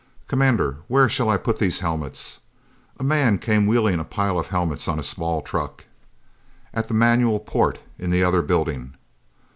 "Commander, where shall I put these helmets?" A man came wheeling a pile of helmets on a small truck. "At the manual port in the other building."